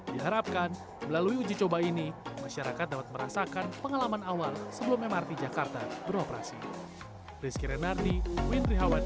diharapkan melalui uji coba ini masyarakat dapat merasakan pengalaman awal sebelum mrt jakarta beroperasi